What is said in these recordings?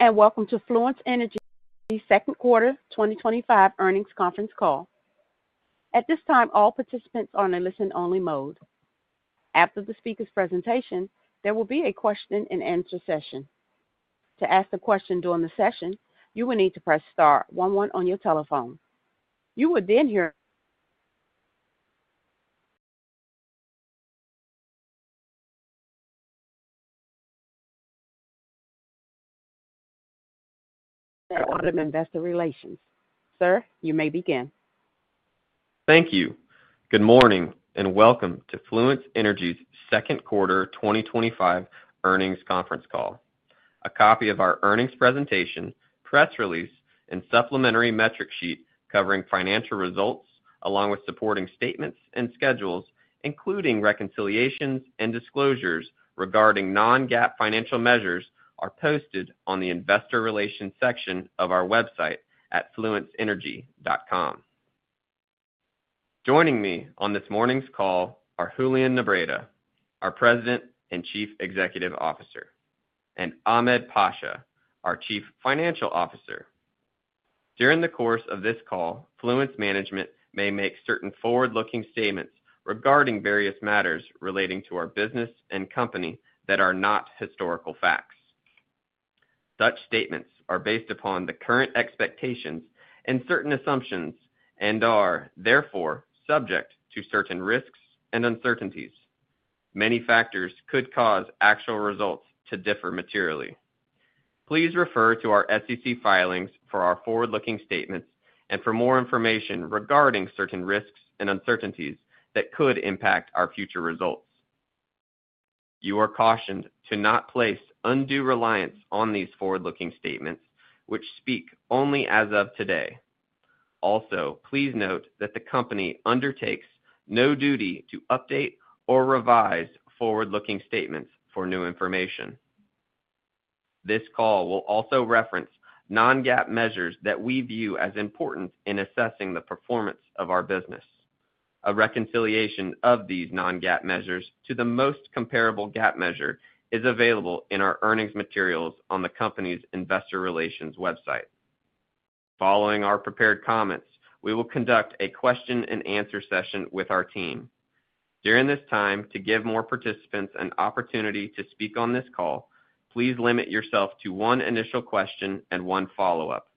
Hello, and welcome to Fluence Energy's second quarter 2025 earnings conference call. At this time, all participants are in a listen-only mode. After the speaker's presentation, there will be a question-and-answer session. To ask a question during the session, you will need to press star 11 on your telephone. You will then hear the automated investor relations. Sir, you may begin. Thank you. Good morning and welcome to Fluence Energy's second quarter 2025 earnings conference call. A copy of our earnings presentation, press release, and supplementary metric sheet covering financial results, along with supporting statements and schedules, including reconciliations and disclosures regarding non-GAAP financial measures, are posted on the investor relations section of our website at fluenceenergy.com. Joining me on this morning's call are Julian Nebreda, our President and Chief Executive Officer, and Ahmed Pasha, our Chief Financial Officer. During the course of this call, Fluence Management may make certain forward-looking statements regarding various matters relating to our business and company that are not historical facts. Such statements are based upon the current expectations and certain assumptions and are, therefore, subject to certain risks and uncertainties. Many factors could cause actual results to differ materially. Please refer to our SEC filings for our forward-looking statements and for more information regarding certain risks and uncertainties that could impact our future results. You are cautioned to not place undue reliance on these forward-looking statements, which speak only as of today. Also, please note that the company undertakes no duty to update or revise forward-looking statements for new information. This call will also reference non-GAAP measures that we view as important in assessing the performance of our business. A reconciliation of these non-GAAP measures to the most comparable GAAP measure is available in our earnings materials on the company's investor relations website. Following our prepared comments, we will conduct a question-and-answer session with our team. During this time, to give more participants an opportunity to speak on this call, please limit yourself to one initial question and one follow-up.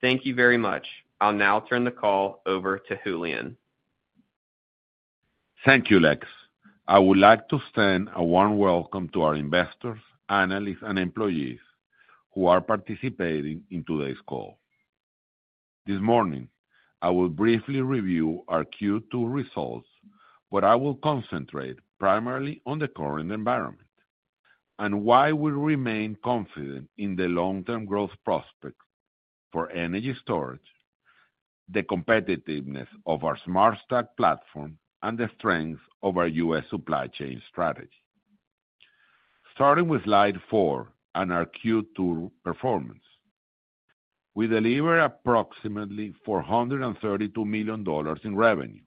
Thank you very much. I'll now turn the call over to Julian. Thank you, Lex. I would like to extend a warm welcome to our investors, analysts, and employees who are participating in today's call. This morning, I will briefly review our Q2 results, but I will concentrate primarily on the current environment and why we remain confident in the long-term growth prospects for energy storage, the competitiveness of our Smart Stack platform, and the strengths of our U.S. supply chain strategy. Starting with slide four and our Q2 performance, we delivered approximately $432 million in revenue,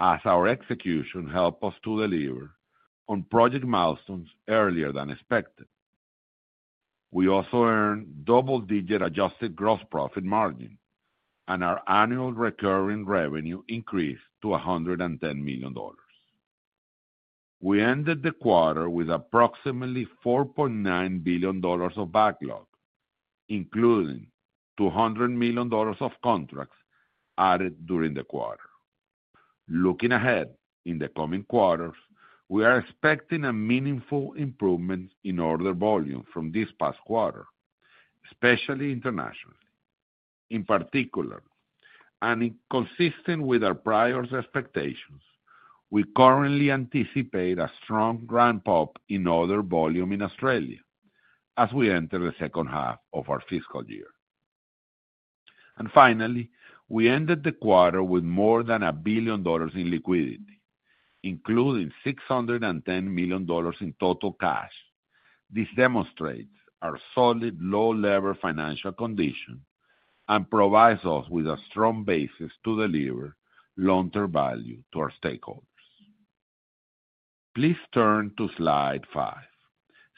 as our execution helped us to deliver on project milestones earlier than expected. We also earned double-digit adjusted gross profit margin, and our annual recurring revenue increased to $110 million. We ended the quarter with approximately $4.9 billion of backlog, including $200 million of contracts added during the quarter. Looking ahead in the coming quarters, we are expecting a meaningful improvement in order volume from this past quarter, especially internationally. In particular, and consistent with our prior expectations, we currently anticipate a strong ramp-up in order volume in Australia as we enter the second half of our fiscal year. Finally, we ended the quarter with more than $1 billion in liquidity, including $610 million in total cash. This demonstrates our solid low-level financial condition and provides us with a strong basis to deliver long-term value to our stakeholders. Please turn to slide five.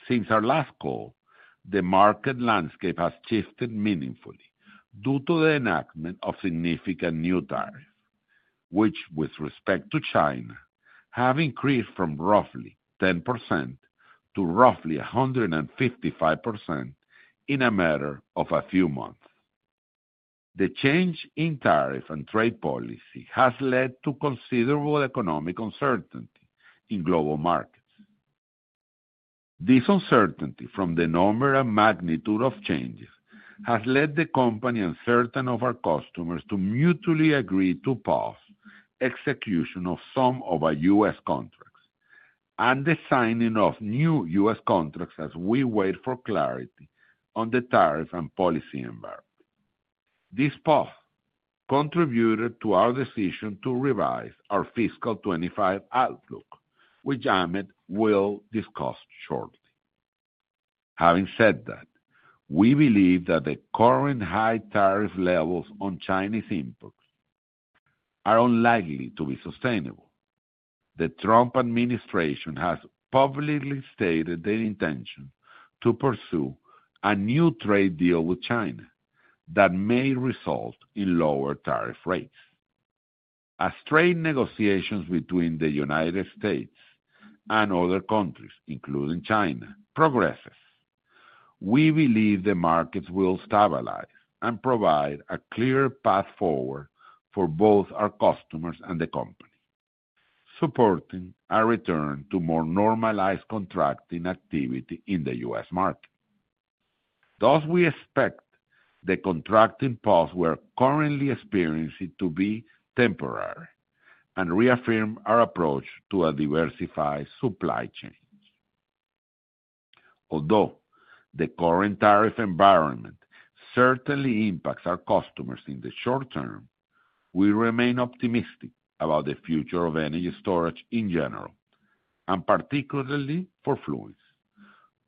Since our last call, the market landscape has shifted meaningfully due to the enactment of significant new tariffs, which, with respect to China, have increased from roughly 10% to roughly 155% in a matter of a few months. The change in tariff and trade policy has led to considerable economic uncertainty in global markets. This uncertainty, from the number and magnitude of changes, has led the company and certain of our customers to mutually agree to pause execution of some of our U.S. contracts and the signing of new U.S. contracts as we wait for clarity on the tariff and policy environment. This pause contributed to our decision to revise our fiscal 2025 outlook, which Ahmed will discuss shortly. Having said that, we believe that the current high tariff levels on Chinese imports are unlikely to be sustainable. The Trump administration has publicly stated their intention to pursue a new trade deal with China that may result in lower tariff rates. As trade negotiations between the United States and other countries, including China, progress, we believe the markets will stabilize and provide a clear path forward for both our customers and the company, supporting a return to more normalized contracting activity in the U.S. market. Thus, we expect the contracting pause we are currently experiencing to be temporary and reaffirm our approach to a diversified supply chain. Although the current tariff environment certainly impacts our customers in the short term, we remain optimistic about the future of energy storage in general, and particularly for Fluence.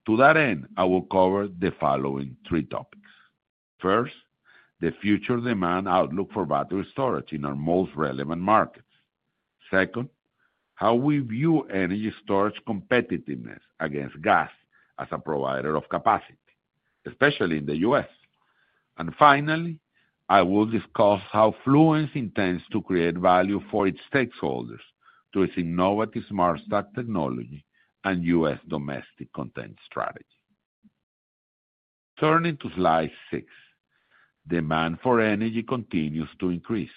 To that end, I will cover the following three topics. First, the future demand outlook for battery storage in our most relevant markets. Second, how we view energy storage competitiveness against gas as a provider of capacity, especially in the U.S. Finally, I will discuss how Fluence intends to create value for its stakeholders through its innovative Smart Stack technology and U.S. domestic content strategy. Turning to slide six, demand for energy continues to increase.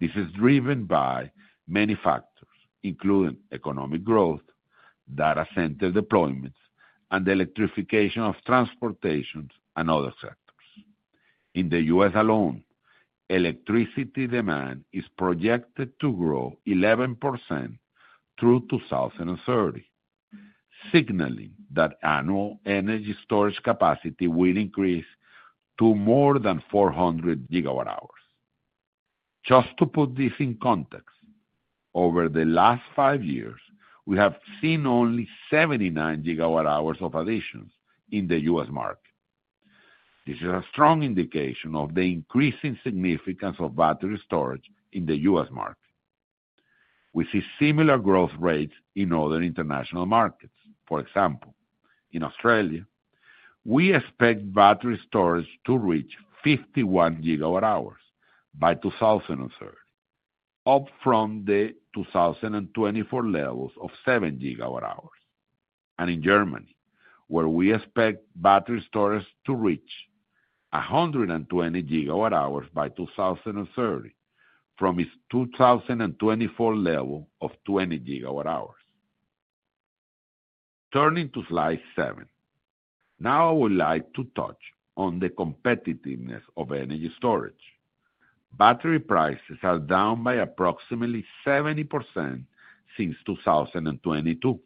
This is driven by many factors, including economic growth, data center deployments, and the electrification of transportation and other sectors. In the U.S. alone, electricity demand is projected to grow 11% through 2030, signaling that annual energy storage capacity will increase to more than 400 gigawatt-hours. Just to put this in context, over the last five years, we have seen only 79 gigawatt-hours of additions in the U.S. market. This is a strong indication of the increasing significance of battery storage in the U.S. market. We see similar growth rates in other international markets. For example, in Australia, we expect battery storage to reach 51 gigawatt-hours by 2030, up from the 2024 levels of 7 gigawatt-hours. In Germany, where we expect battery storage to reach 120 gigawatt-hours by 2030 from its 2024 level of 20 gigawatt-hours. Turning to slide seven, now I would like to touch on the competitiveness of energy storage. Battery prices are down by approximately 70% since 2022,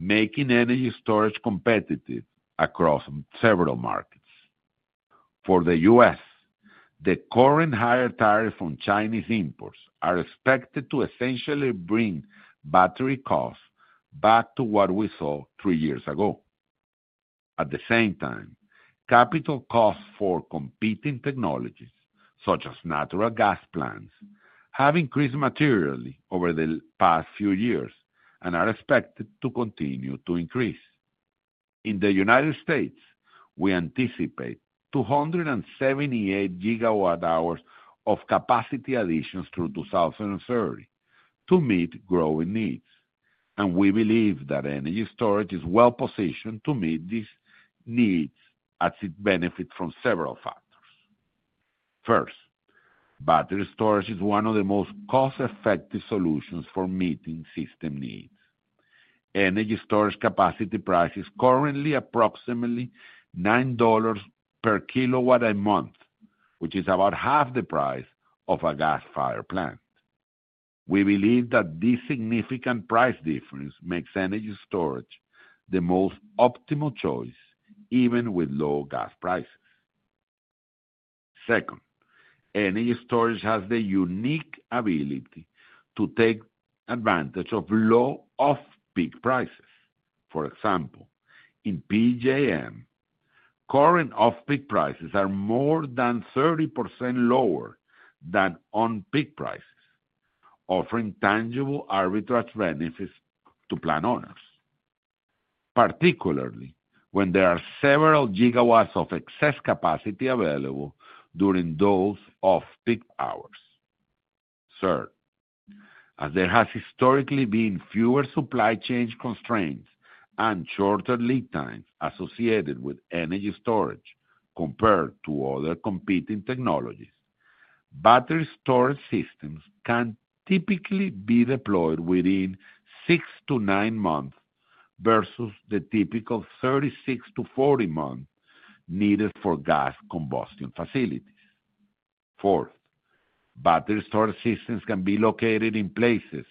making energy storage competitive across several markets. For the U.S., the current higher tariffs on Chinese imports are expected to essentially bring battery costs back to what we saw three years ago. At the same time, capital costs for competing technologies, such as natural gas plants, have increased materially over the past few years and are expected to continue to increase. In the United States, we anticipate 278 gigawatt-hours of capacity additions through 2030 to meet growing needs. We believe that energy storage is well-positioned to meet these needs as it benefits from several factors. First, battery storage is one of the most cost-effective solutions for meeting system needs. Energy storage capacity price is currently approximately $9 per kilowatt a month, which is about half the price of a gas-fired plant. We believe that this significant price difference makes energy storage the most optimal choice, even with low gas prices. Second, energy storage has the unique ability to take advantage of low off-peak prices. For example, in PJM, current off-peak prices are more than 30% lower than on-peak prices, offering tangible arbitrage benefits to plant owners, particularly when there are several gigawatts of excess capacity available during those off-peak hours. Third, as there has historically been fewer supply chain constraints and shorter lead times associated with energy storage compared to other competing technologies, battery storage systems can typically be deployed within six to nine months versus the typical 36-40 months needed for gas combustion facilities. Fourth, battery storage systems can be located in places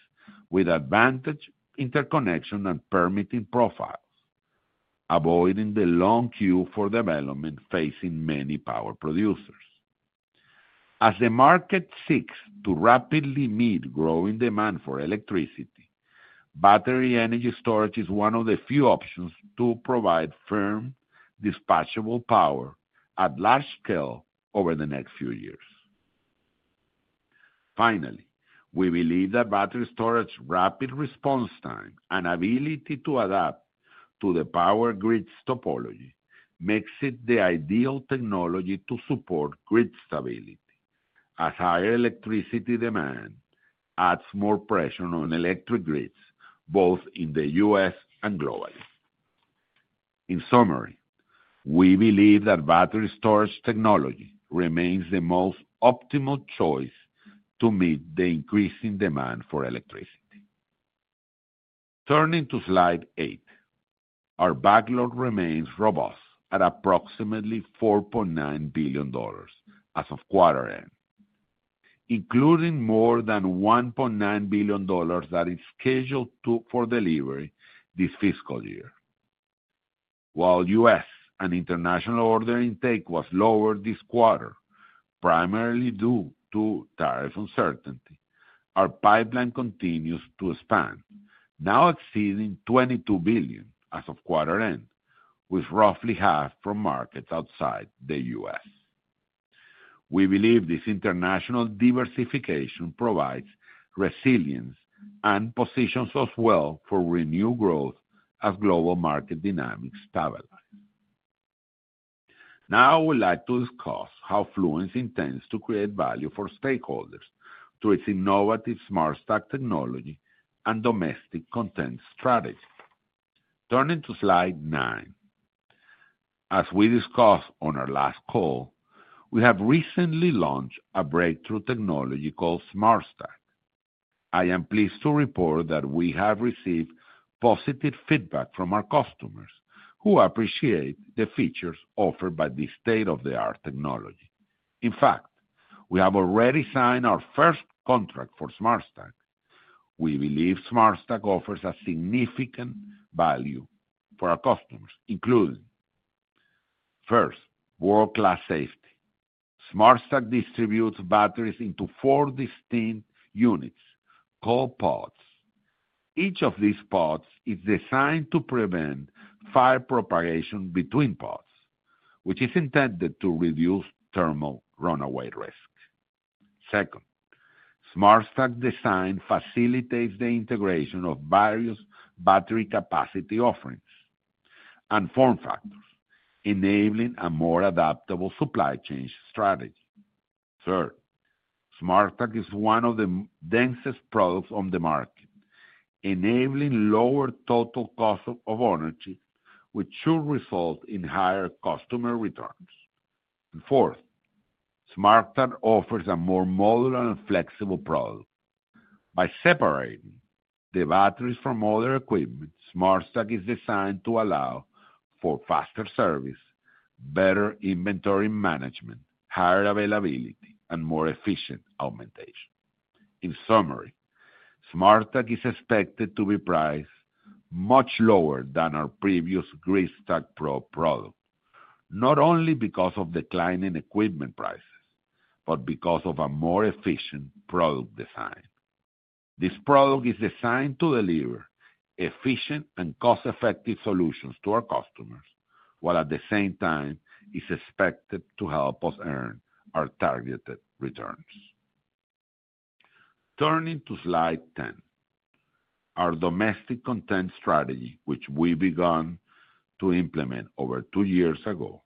with advantaged interconnection and permitting profiles, avoiding the long queue for development facing many power producers. As the market seeks to rapidly meet growing demand for electricity, battery energy storage is one of the few options to provide firm dispatchable power at large scale over the next few years. Finally, we believe that battery storage's rapid response time and ability to adapt to the power grid's topology makes it the ideal technology to support grid stability, as higher electricity demand adds more pressure on electric grids both in the U.S. and globally. In summary, we believe that battery storage technology remains the most optimal choice to meet the increasing demand for electricity. Turning to slide eight, our backlog remains robust at approximately $4.9 billion as of quarter end, including more than $1.9 billion that is scheduled for delivery this fiscal year. While U.S. and international order intake was lower this quarter, primarily due to tariff uncertainty, our pipeline continues to expand, now exceeding $22 billion as of quarter end, with roughly half from markets outside the U.S. We believe this international diversification provides resilience and positions us well for renewed growth as global market dynamics stabilize. Now, I would like to discuss how Fluence intends to create value for stakeholders through its innovative Smart Stack technology and domestic content strategy. Turning to slide nine, as we discussed on our last call, we have recently launched a breakthrough technology called Smart Stack. I am pleased to report that we have received positive feedback from our customers who appreciate the features offered by this state-of-the-art technology. In fact, we have already signed our first contract for Smart Stack. We believe Smart Stack offers significant value for our customers, including, first, world-class safety. Smart Stack distributes batteries into four distinct units called pods. Each of these pods is designed to prevent fire propagation between pods, which is intended to reduce thermal runaway risk. Second, Smart Stack design facilitates the integration of various battery capacity offerings and form factors, enabling a more adaptable supply chain strategy. Third, Smart Stack is one of the densest products on the market, enabling lower total cost of energy, which should result in higher customer returns. Fourth, Smart Stack offers a more modular and flexible product. By separating the batteries from other equipment, Smart Stack is designed to allow for faster service, better inventory management, higher availability, and more efficient augmentation. In summary, Smart Stack is expected to be priced much lower than our previous GridStack Pro product, not only because of declining equipment prices, but because of a more efficient product design. This product is designed to deliver efficient and cost-effective solutions to our customers, while at the same time, it's expected to help us earn our targeted returns. Turning to slide 10, our domestic content strategy, which we began to implement over two years ago,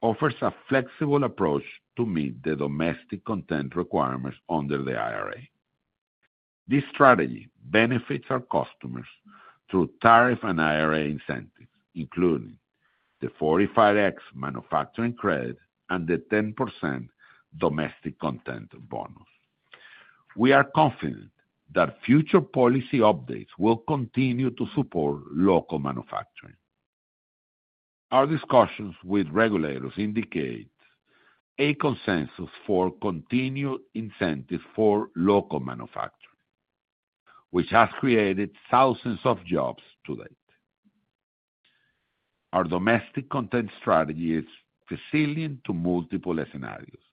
offers a flexible approach to meet the domestic content requirements under the IRA. This strategy benefits our customers through tariff and IRA incentives, including the 45X manufacturing credit and the 10% domestic content bonus. We are confident that future policy updates will continue to support local manufacturing. Our discussions with regulators indicate a consensus for continued incentives for local manufacturing, which has created thousands of jobs to date. Our domestic content strategy is resilient to multiple scenarios,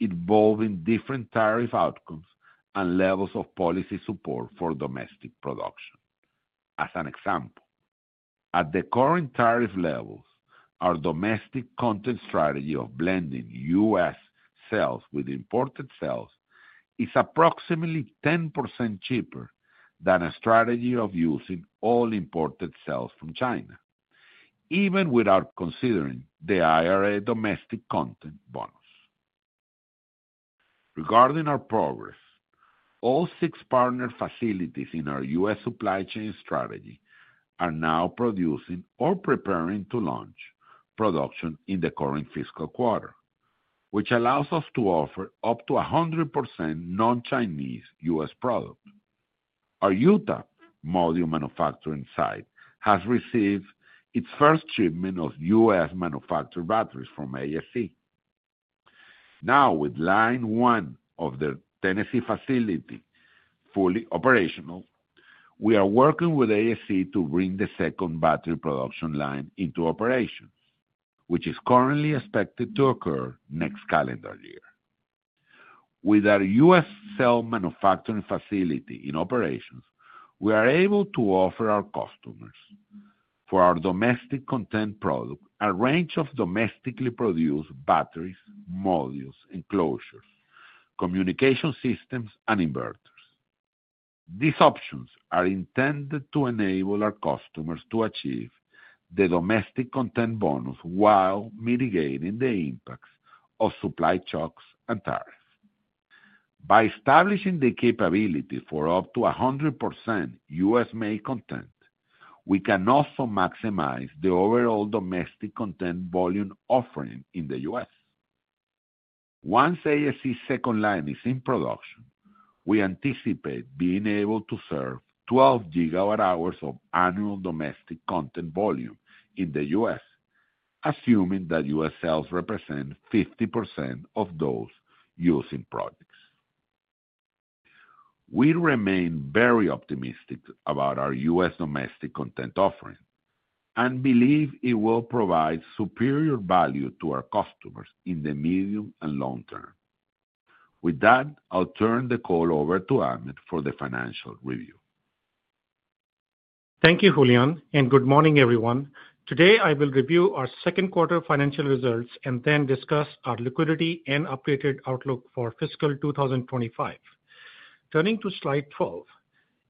involving different tariff outcomes and levels of policy support for domestic production. As an example, at the current tariff levels, our domestic content strategy of blending U.S. cells with imported cells is approximately 10% cheaper than a strategy of using all imported cells from China, even without considering the IRA domestic content bonus. Regarding our progress, all six partner facilities in our U.S. supply chain strategy are now producing or preparing to launch production in the current fiscal quarter, which allows us to offer up to 100% non-Chinese U.S. product. Our Utah module manufacturing site has received its first shipment of U.S.-manufactured batteries from AESC. Now, with line one of their Tennessee facility fully operational, we are working with AESC to bring the second battery production line into operation, which is currently expected to occur next calendar year. With our U.S. cell manufacturing facility in operations, we are able to offer our customers for our domestic content product a range of domestically produced batteries, modules, enclosures, communication systems, and inverters. These options are intended to enable our customers to achieve the domestic content bonus while mitigating the impacts of supply shocks and tariffs. By establishing the capability for up to 100% U.S.-made content, we can also maximize the overall domestic content volume offering in the U.S. Once AESC's second line is in production, we anticipate being able to serve 12 gigawatt-hours of annual domestic content volume in the U.S., assuming that U.S. cells represent 50% of those using products. We remain very optimistic about our U.S. domestic content offering and believe it will provide superior value to our customers in the medium and long term. With that, I'll turn the call over to Ahmed for the financial review. Thank you, Julian. And good morning, everyone. Today, I will review our second quarter financial results and then discuss our liquidity and updated outlook for fiscal 2025. Turning to slide 12,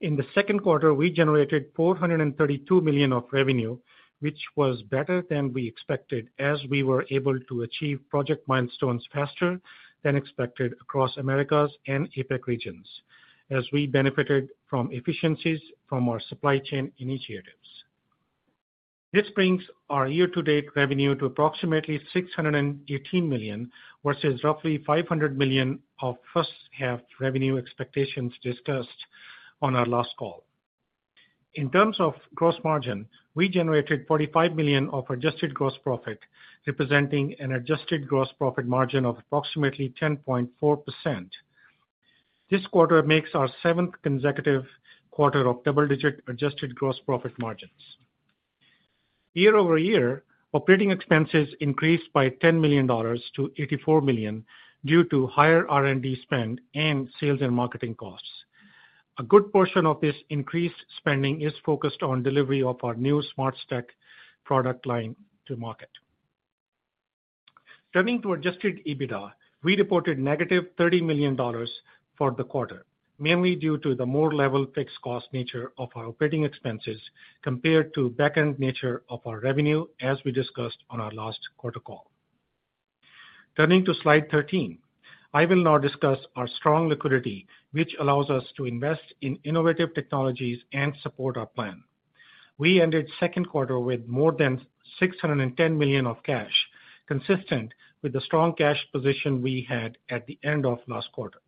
in the second quarter, we generated $432 million of revenue, which was better than we expected as we were able to achieve project milestones faster than expected across Americas and APEC regions, as we benefited from efficiencies from our supply chain initiatives. This brings our year-to-date revenue to approximately $618 million versus roughly $500 million of first-half revenue expectations discussed on our last call. In terms of gross margin, we generated $45 million of adjusted gross profit, representing an adjusted gross profit margin of approximately 10.4%. This quarter makes our seventh consecutive quarter of double-digit adjusted gross profit margins. Year over year, operating expenses increased by $10 million to $84 million due to higher R&D spend and sales and marketing costs. A good portion of this increased spending is focused on delivery of our new Smart Stack product line to market. Turning to adjusted EBITDA, we reported negative $30 million for the quarter, mainly due to the more level fixed cost nature of our operating expenses compared to back-end nature of our revenue, as we discussed on our last quarter call. Turning to slide 13, I will now discuss our strong liquidity, which allows us to invest in innovative technologies and support our plan. We ended second quarter with more than $610 million of cash, consistent with the strong cash position we had at the end of last quarter.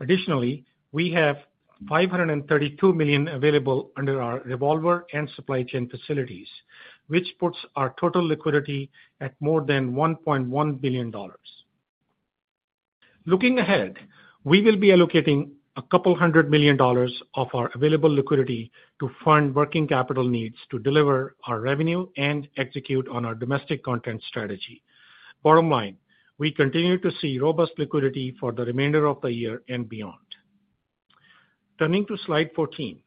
Additionally, we have $532 million available under our revolver and supply chain facilities, which puts our total liquidity at more than $1.1 billion. Looking ahead, we will be allocating a couple hundred million dollars of our available liquidity to fund working capital needs to deliver our revenue and execute on our domestic content strategy. Bottom line, we continue to see robust liquidity for the remainder of the year and beyond. Turning to slide 14,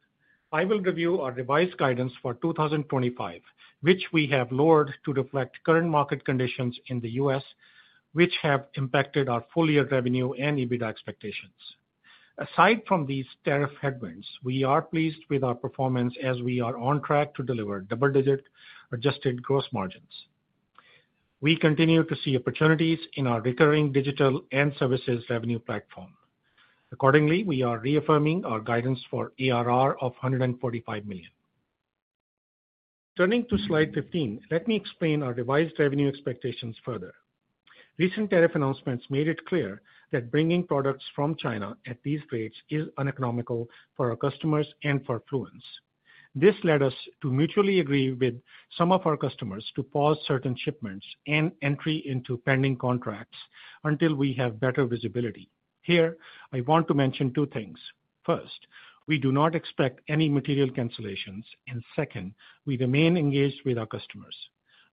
I will review our revised guidance for 2025, which we have lowered to reflect current market conditions in the U.S., which have impacted our full-year revenue and EBITDA expectations. Aside from these tariff headwinds, we are pleased with our performance as we are on track to deliver double-digit adjusted gross margins. We continue to see opportunities in our recurring digital and services revenue platform. Accordingly, we are reaffirming our guidance for ERR of $145 million. Turning to slide 15, let me explain our revised revenue expectations further. Recent tariff announcements made it clear that bringing products from China at these rates is uneconomical for our customers and for Fluence. This led us to mutually agree with some of our customers to pause certain shipments and entry into pending contracts until we have better visibility. Here, I want to mention two things. First, we do not expect any material cancellations. Second, we remain engaged with our customers.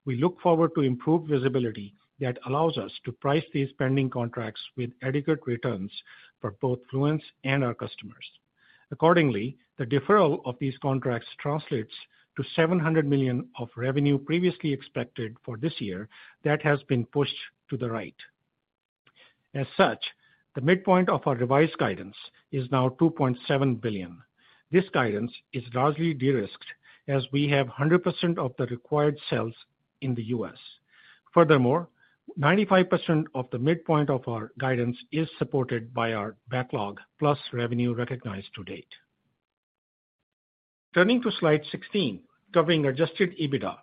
We look forward to improved visibility that allows us to price these pending contracts with adequate returns for both Fluence and our customers. Accordingly, the deferral of these contracts translates to $700 million of revenue previously expected for this year that has been pushed to the right. As such, the midpoint of our revised guidance is now $2.7 billion. This guidance is largely de-risked as we have 100% of the required cells in the U.S. Furthermore, 95% of the midpoint of our guidance is supported by our backlog plus revenue recognized to date. Turning to slide 16, covering adjusted EBITDA,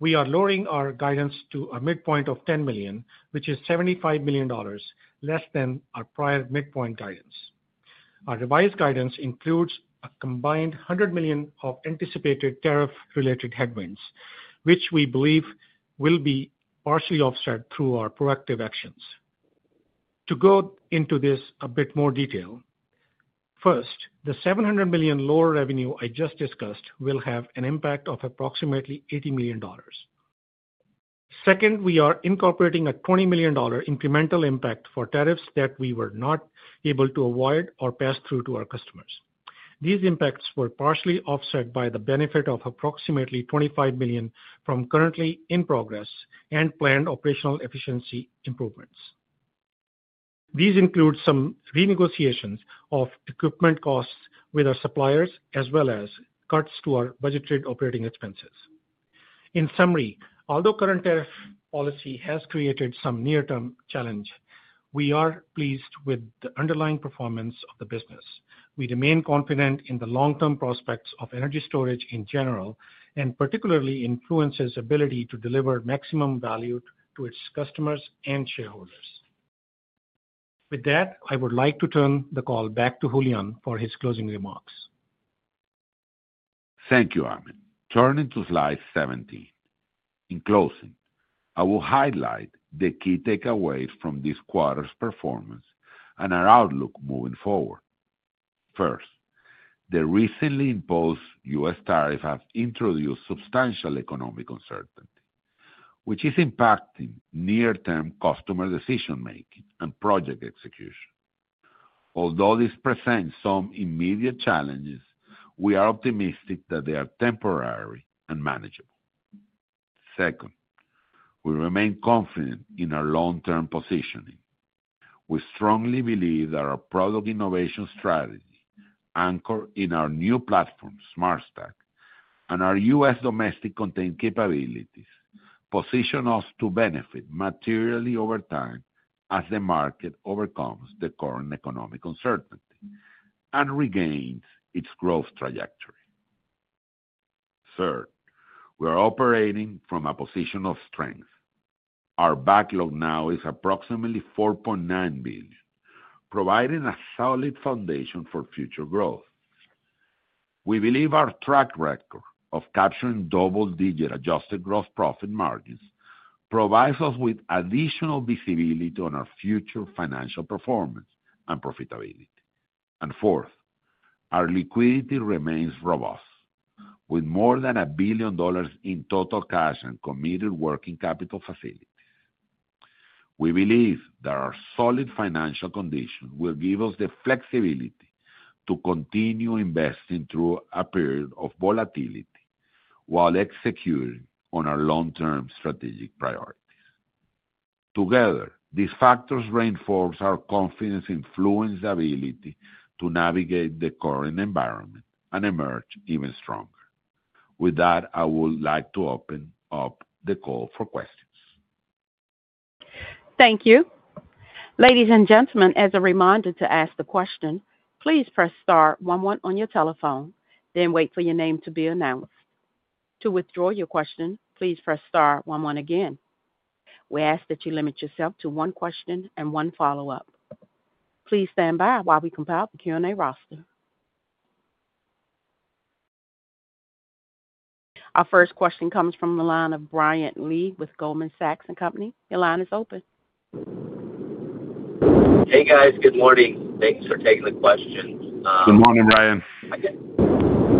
we are lowering our guidance to a midpoint of $10 million, which is $75 million less than our prior midpoint guidance. Our revised guidance includes a combined $100 million of anticipated tariff-related headwinds, which we believe will be partially offset through our proactive actions. To go into this a bit more detail, first, the $700 million lower revenue I just discussed will have an impact of approximately $80 million. Second, we are incorporating a $20 million incremental impact for tariffs that we were not able to avoid or pass through to our customers. These impacts were partially offset by the benefit of approximately $25 million from currently in progress and planned operational efficiency improvements. These include some renegotiations of equipment costs with our suppliers, as well as cuts to our budgeted operating expenses. In summary, although current tariff policy has created some near-term challenge, we are pleased with the underlying performance of the business. We remain confident in the long-term prospects of energy storage in general and particularly in Fluence's ability to deliver maximum value to its customers and shareholders. With that, I would like to turn the call back to Julian for his closing remarks. Thank you, Ahmed. Turning to slide 17, in closing, I will highlight the key takeaways from this quarter's performance and our outlook moving forward. First, the recently imposed U.S. tariff has introduced substantial economic uncertainty, which is impacting near-term customer decision-making and project execution. Although this presents some immediate challenges, we are optimistic that they are temporary and manageable. Second, we remain confident in our long-term positioning. We strongly believe that our product innovation strategy, anchored in our new platform, Smart Stack, and our U.S. domestic content capabilities position us to benefit materially over time as the market overcomes the current economic uncertainty and regains its growth trajectory. Third, we are operating from a position of strength. Our backlog now is approximately $4.9 billion, providing a solid foundation for future growth. We believe our track record of capturing double-digit adjusted gross profit margins provides us with additional visibility on our future financial performance and profitability. Fourth, our liquidity remains robust, with more than $1 billion in total cash and committed working capital facilities. We believe that our solid financial condition will give us the flexibility to continue investing through a period of volatility while executing on our long-term strategic priorities. Together, these factors reinforce our confidence in Fluence's ability to navigate the current environment and emerge even stronger. With that, I would like to open up the call for questions. Thank you. Ladies and gentlemen, as a reminder to ask the question, please press star 11 on your telephone, then wait for your name to be announced. To withdraw your question, please press star 11 again. We ask that you limit yourself to one question and one follow-up. Please stand by while we compile the Q&A roster. Our first question comes from the line of Brian Lee with Goldman Sachs & Company. Your line is open. Hey, guys. Good morning. Thanks for taking the question. Good morning, Brian.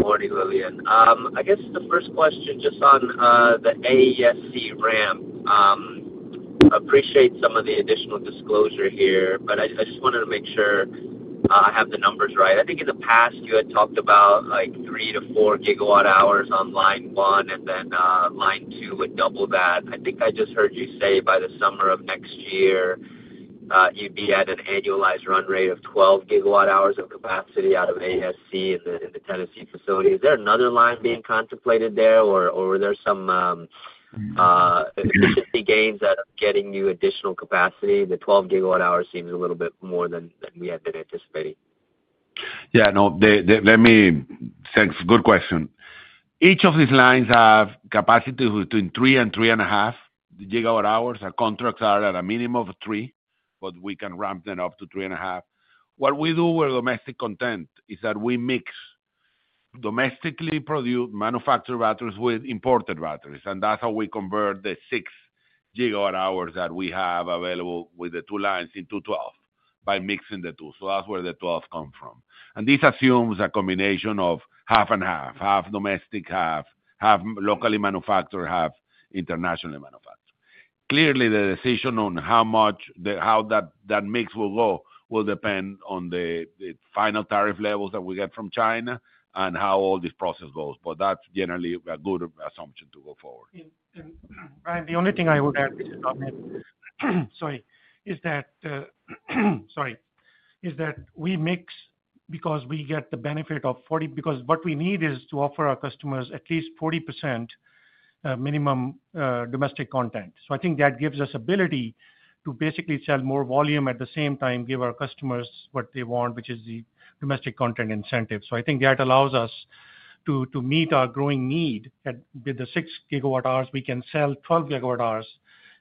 Good morning, Lillian. I guess the first question just on the AESC ramp. I appreciate some of the additional disclosure here, but I just wanted to make sure I have the numbers right. I think in the past, you had talked about three to four gigawatt-hours on line one and then line two would double that. I think I just heard you say by the summer of next year, you would be at an annualized run rate of 12 gigawatt-hours of capacity out of AESC in the Tennessee facility. Is there another line being contemplated there, or are there some efficiency gains that are getting you additional capacity? The 12 gigawatt-hours seems a little bit more than we had been anticipating. Yeah. No, that's a good question. Each of these lines have capacity between 3 and 3.5 gigawatt-hours. Our contracts are at a minimum of 3, but we can ramp them up to 3.5. What we do with domestic content is that we mix domestically produced manufactured batteries with imported batteries. That is how we convert the 6 gigawatt-hours that we have available with the two lines into 12 by mixing the two. That is where the 12 comes from. This assumes a combination of half and half, half domestic, half locally manufactured, half internationally manufactured. Clearly, the decision on how much that mix will go will depend on the final tariff levels that we get from China and how all this process goes. That's generally a good assumption to go forward. Brian, the only thing I would add, sorry, is that we mix because we get the benefit of 40% because what we need is to offer our customers at least 40% minimum domestic content. I think that gives us ability to basically sell more volume at the same time, give our customers what they want, which is the domestic content incentive. I think that allows us to meet our growing need that with the 6 gigawatt-hours, we can sell 12 gigawatt-hours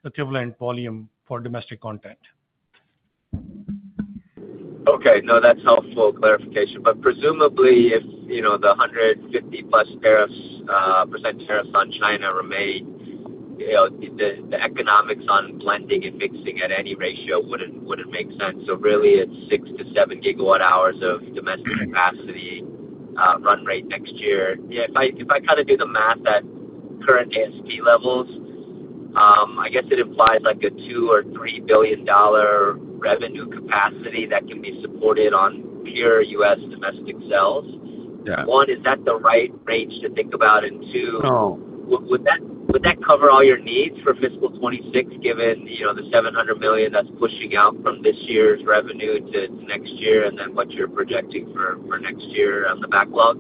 equivalent volume for domestic content. Okay. No, that's helpful clarification. Presumably, if the 150-plus % tariffs on China remain, the economics on blending and mixing at any ratio wouldn't make sense. Really, it's 6-7 gigawatt-hours of domestic capacity run rate next year. Yeah. If I kind of do the math at current ASP levels, I guess it implies a $2 billion-$3 billion revenue capacity that can be supported on pure U.S. domestic cells. One, is that the right range to think about? Two, would that cover all your needs for fiscal 2026, given the $700 million that's pushing out from this year's revenue to next year and then what you're projecting for next year on the backlog?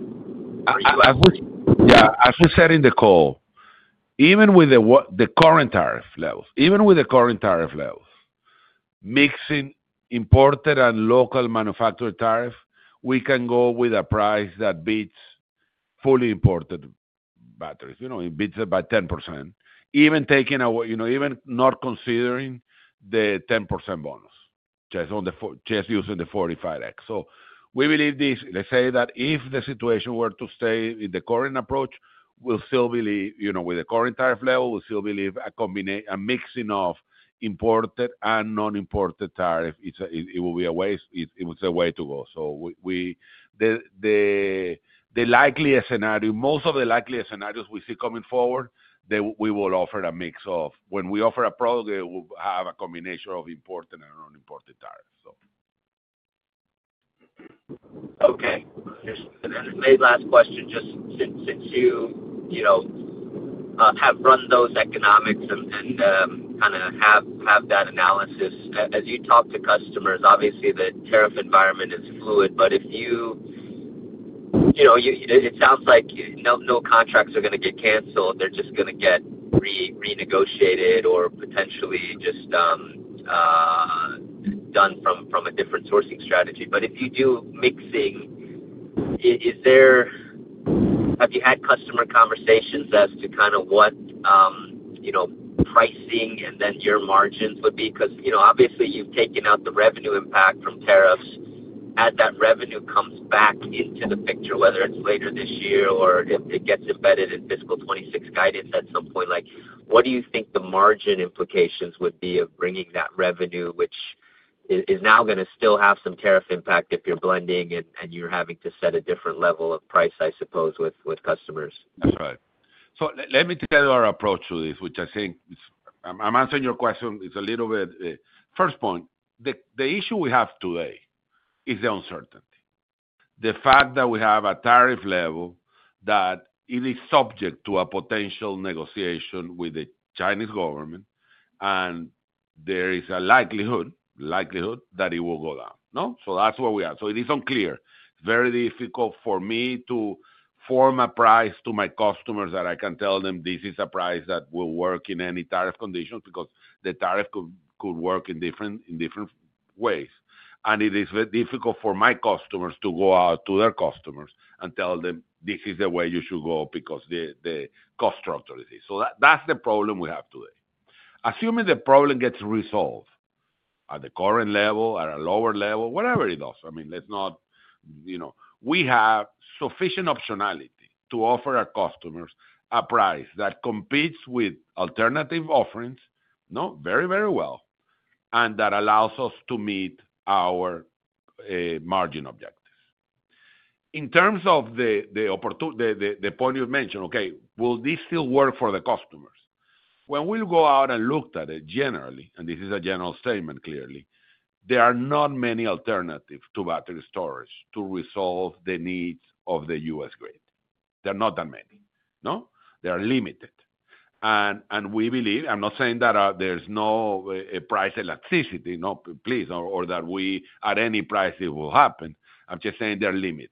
Yeah. As we said in the call, even with the current tariff levels, even with the current tariff levels, mixing imported and local manufactured tariff, we can go with a price that beats fully imported batteries. It beats it by 10%, even taking away, even not considering the 10% bonus, just using the 45X. We believe this. Let's say that if the situation were to stay in the current approach, we still believe with the current tariff level, we still believe a mixing of imported and non-imported tariff, it will be a way, it was a way to go. The likeliest scenario, most of the likeliest scenarios we see coming forward, we will offer a mix of, when we offer a product, it will have a combination of imported and non-imported tariffs. Okay. As a very last question, just since you have run those economics and kind of have that analysis, as you talk to customers, obviously, the tariff environment is fluid. If you, it sounds like no contracts are going to get canceled. They're just going to get renegotiated or potentially just done from a different sourcing strategy. If you do mixing, have you had customer conversations as to kind of what pricing and then your margins would be? Because obviously, you've taken out the revenue impact from tariffs. As that revenue comes back into the picture, whether it's later this year or if it gets embedded in fiscal 2026 guidance at some point, what do you think the margin implications would be of bringing that revenue, which is now going to still have some tariff impact if you're blending and you're having to set a different level of price, I suppose, with customers? That's right. Let me tell you our approach to this, which I think I'm answering your question. It's a little bit first point. The issue we have today is the uncertainty. The fact that we have a tariff level that it is subject to a potential negotiation with the Chinese government, and there is a likelihood that it will go down. That is where we are. It is unclear. It is very difficult for me to form a price to my customers that I can tell them this is a price that will work in any tariff conditions because the tariff could work in different ways. It is very difficult for my customers to go out to their customers and tell them, "This is the way you should go because the cost structure is this." That is the problem we have today. Assuming the problem gets resolved at the current level, at a lower level, whatever it does, I mean, let's not, we have sufficient optionality to offer our customers a price that competes with alternative offerings very, very well, and that allows us to meet our margin objectives. In terms of the point you mentioned, okay, will this still work for the customers? When we go out and looked at it generally, and this is a general statement, clearly, there are not many alternatives to battery storage to resolve the needs of the US grid. There are not that many. They are limited. And we believe I'm not saying that there's no price elasticity, please, or that at any price it will happen. I'm just saying they're limited.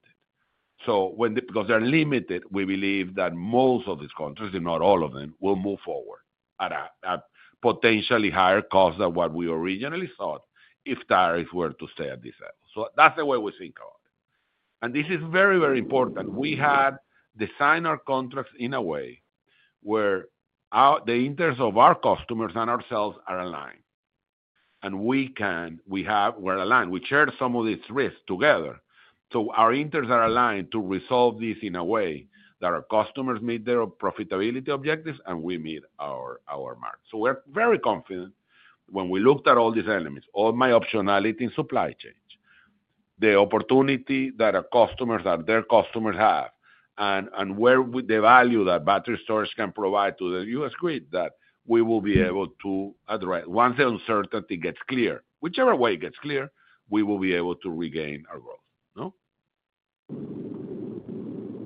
Because they're limited, we believe that most of these contracts, if not all of them, will move forward at a potentially higher cost than what we originally thought if tariffs were to stay at this level. That's the way we think about it. This is very, very important. We had designed our contracts in a way where the interests of our customers and ourselves are aligned. We're aligned. We share some of these risks together. Our interests are aligned to resolve this in a way that our customers meet their profitability objectives, and we meet our mark. We're very confident when we looked at all these elements, all my optionality in supply chain, the opportunity that our customers, that their customers have, and the value that battery storage can provide to the US grid that we will be able to address once the uncertainty gets clear. Whichever way it gets clear, we will be able to regain our growth.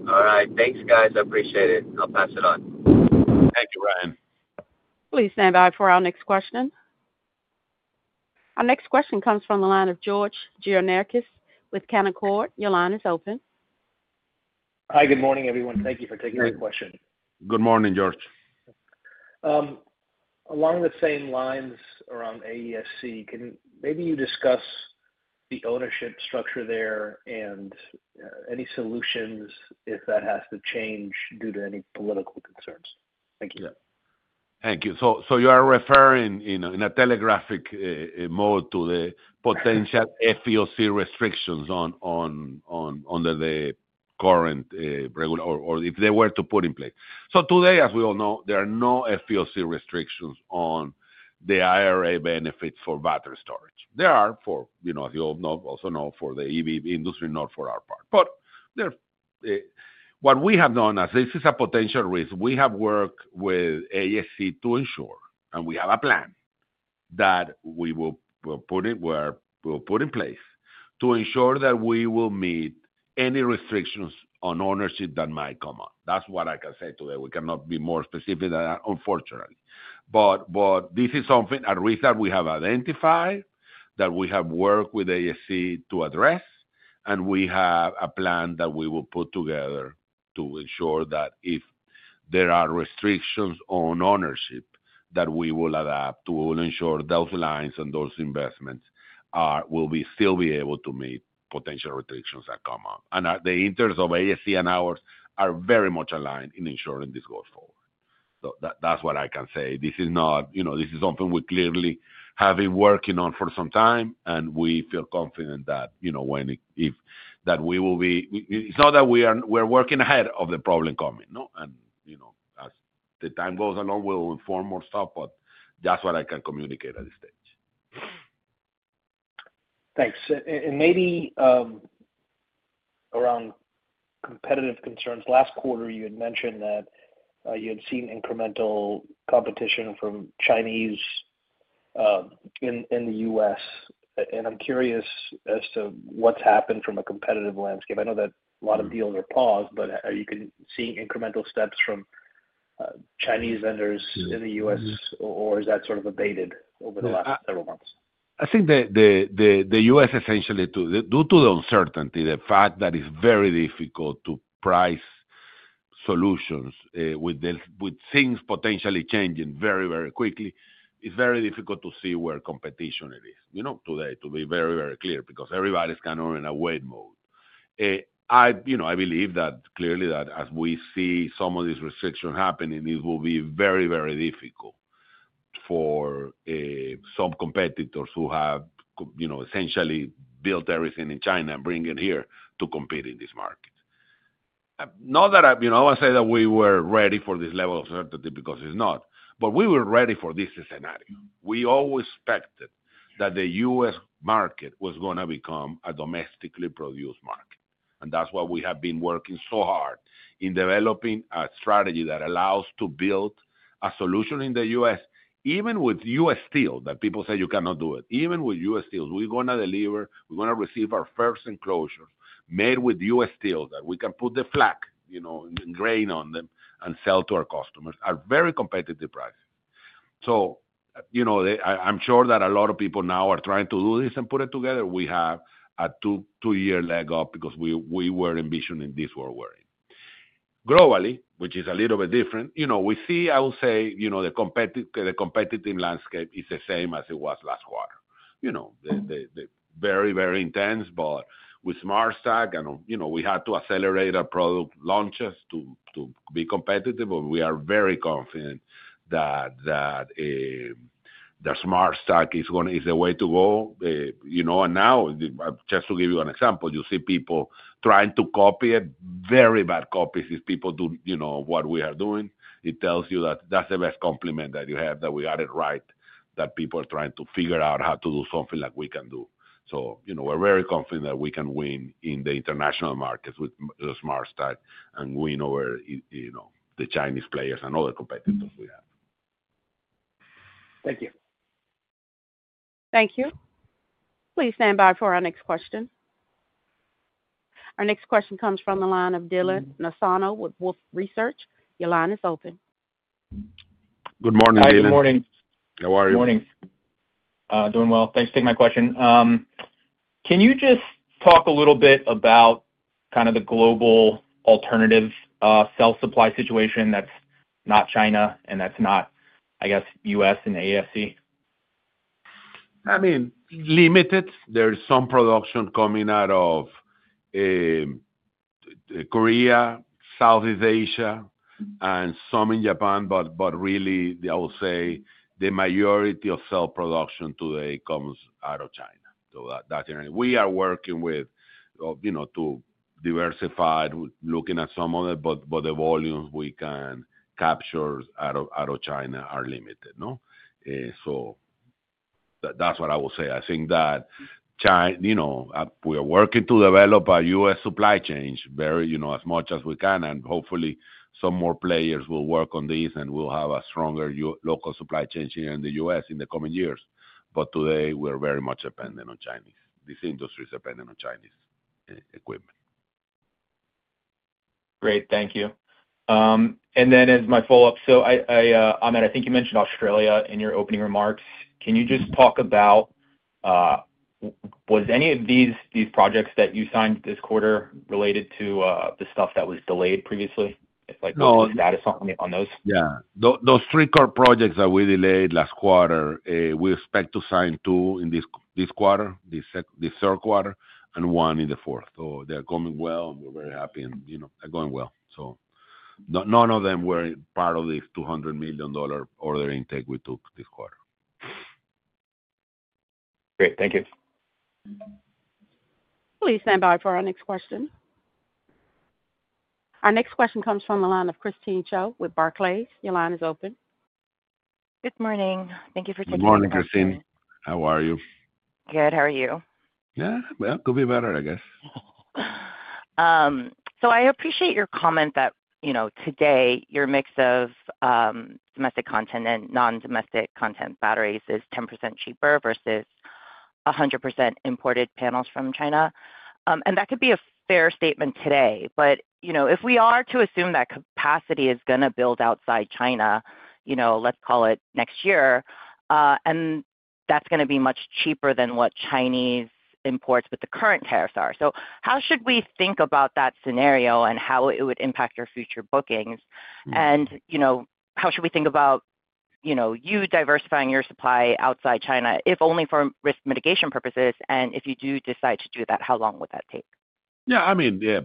All right. Thanks, guys. I appreciate it. I'll pass it on. Thank you, Brian. Please stand by for our next question. Our next question comes from the line of George Gianarikas with Canaccord. Your line is open. Hi. Good morning, everyone. Thank you for taking the question. Good morning, George. Along the same lines around AESC, can maybe you discuss the ownership structure there and any solutions if that has to change due to any political concerns? Thank you. Thank you. You are referring in a telegraphic mode to the potential FEOC restrictions under the current regulation or if they were to put in place. Today, as we all know, there are no FEOC restrictions on the IRA benefits for battery storage. There are, as you all also know, for the EV industry, not for our part. What we have done, as this is a potential risk, we have worked with AESC to ensure, and we have a plan that we will put in place to ensure that we will meet any restrictions on ownership that might come up. That is what I can say today. We cannot be more specific than that, unfortunately. This is a risk that we have identified, that we have worked with AESC to address, and we have a plan that we will put together to ensure that if there are restrictions on ownership, we will adapt to ensure those lines and those investments will still be able to meet potential restrictions that come up. The interests of AESC and ours are very much aligned in ensuring this goes forward. That is what I can say. This is something we clearly have been working on for some time, and we feel confident that if that we will be, it's not that we are, we're working ahead of the problem coming. As the time goes along, we'll inform more stuff, but that is what I can communicate at this stage. Thanks. Maybe around competitive concerns, last quarter, you had mentioned that you had seen incremental competition from Chinese in the U.S. I am curious as to what has happened from a competitive landscape. I know that a lot of deals are paused, but are you seeing incremental steps from Chinese vendors in the U.S., or has that sort of abated over the last several months? I think the U.S., essentially, due to the uncertainty, the fact that it is very difficult to price solutions with things potentially changing very, very quickly, it is very difficult to see where competition is. Today, to be very, very clear, because everybody is kind of in a wait mode. I believe that clearly as we see some of these restrictions happening, it will be very, very difficult for some competitors who have essentially built everything in China and bring it here to compete in this market. Not that I want to say that we were ready for this level of certainty because it's not, but we were ready for this scenario. We always expected that the U.S. market was going to become a domestically produced market. That is why we have been working so hard in developing a strategy that allows to build a solution in the U.S., even with U.S. steel that people say you cannot do it. Even with U.S. steel, we're going to deliver. We're going to receive our first enclosures made with U.S. steel that we can put the flag in grain on them and sell to our customers at very competitive prices. I am sure that a lot of people now are trying to do this and put it together. We have a two-year leg up because we were envisioning this world we're in. Globally, which is a little bit different, we see, I would say, the competitive landscape is the same as it was last quarter. Very, very intense, but with SmartStack, we had to accelerate our product launches to be competitive, but we are very confident that the SmartStack is the way to go. Now, just to give you an example, you see people trying to copy it, very bad copies if people do what we are doing. It tells you that that's the best compliment that you have, that we got it right, that people are trying to figure out how to do something like we can do. We are very confident that we can win in the international markets with SmartStack and win over the Chinese players and other competitors we have. Thank you. Thank you. Please stand by for our next question. Our next question comes from the line of Dylan Nassano with Wolfe Research. Your line is open. Good morning, Dylan. Hi. Good morning. How are you? Good morning. Doing well. Thanks for taking my question. Can you just talk a little bit about kind of the global alternative cell supply situation that is not China and that is not, I guess, U.S. and AESC? I mean, limited. There is some production coming out of Korea, Southeast Asia, and some in Japan, but really, I will say the majority of cell production today comes out of China. That is it. We are working to diversify, looking at some of it, but the volumes we can capture out of China are limited. That is what I will say. I think that we are working to develop a U.S. supply chain as much as we can, and hopefully, some more players will work on this and we'll have a stronger local supply chain here in the U.S. in the coming years. Today, we're very much dependent on Chinese. This industry is dependent on Chinese equipment. Great. Thank you. As my follow-up, Ahmed, I think you mentioned Australia in your opening remarks. Can you just talk about was any of these projects that you signed this quarter related to the stuff that was delayed previously? If there's any status on those. Yeah. Those three core projects that we delayed last quarter, we expect to sign two in this quarter, the third quarter, and one in the fourth. They are coming well, and we're very happy, and they're going well. None of them were part of this $200 million order intake we took this quarter. Great. Thank you. Please stand by for our next question. Our next question comes from the line of Christine Cho with Barclays. Your line is open. Good morning. Thank you for taking the time. Good morning, Christine. How are you? Good. How are you? Yeah. It could be better, I guess. I appreciate your comment that today, your mix of domestic content and non-domestic content batteries is 10% cheaper versus 100% imported panels from China. That could be a fair statement today. If we are to assume that capacity is going to build outside China, let's call it next year, and that is going to be much cheaper than what Chinese imports with the current tariffs are. How should we think about that scenario and how it would impact your future bookings? How should we think about you diversifying your supply outside China, if only for risk mitigation purposes? If you do decide to do that, how long would that take? Yeah. I mean, yeah,